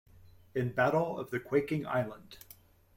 In Battle of the Quaking Island!